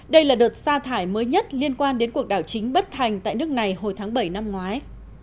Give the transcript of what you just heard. đây là đợt xa thải mới nhất liên quan đến cuộc đảo chính bất thành tại nước này hồi tháng bảy năm ngoái